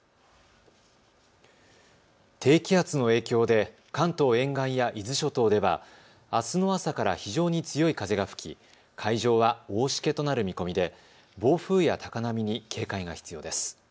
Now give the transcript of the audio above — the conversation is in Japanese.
低気圧の影響で関東沿岸や伊豆諸島ではあすの朝から非常に強い風が吹き海上は大しけとなる見込みで暴風や高波に警戒が必要です。